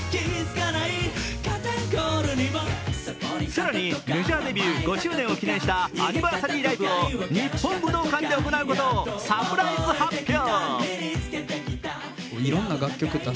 更にメジャーデビュー５周年を記念したアニバーサリーライブを日本武道館で行うことをサプライズ発表。